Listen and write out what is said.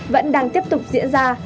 vẫn đang tiếp tục diễn ra